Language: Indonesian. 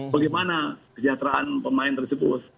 bagaimana kejahteraan pemain tersebut